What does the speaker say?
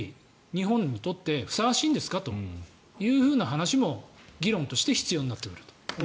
日本にとってふさわしいんですかという話も議論として必要になってくると。